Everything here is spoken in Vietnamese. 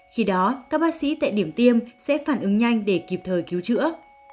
khi đó các bác sĩ tại điểm tiêm sẽ phản ứng nhanh để kịp thời cứu chữa